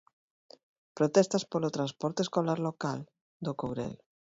Protestas polo transporte escolar local do Courel.